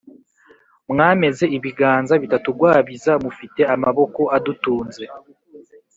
mwameze ibiganza bitatugwabiza: mufite amaboko adutunze